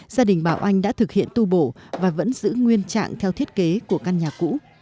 gia đình bảo oanh đã thực hiện tu bổ và vẫn giữ nguyên trạng theo thiết kế của căn nhà cũ